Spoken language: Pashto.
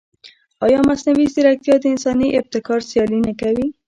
ایا مصنوعي ځیرکتیا د انساني ابتکار سیالي نه کوي؟